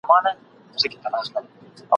هر ځای شړکنده باران راپسي ګرځي ..